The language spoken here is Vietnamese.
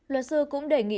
luật sư cũng đề nghị